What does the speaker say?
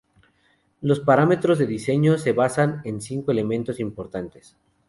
Los parámetros de diseño se basan en cinco elementos importantes.